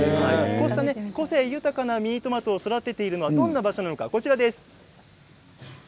個性豊かなミニトマトを育てているのはどんなものなのかこちらです。